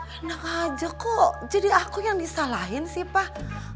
enak aja kok jadi aku yang disalahin sih pak